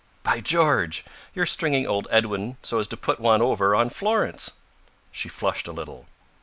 "By George! You're stringing old Edwin so as to put one over on Florence?" She flushed a little.